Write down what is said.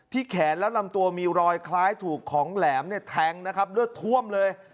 แขนและลำตัวมีรอยคล้ายถูกของแหลมเนี่ยแทงนะครับเลือดท่วมเลย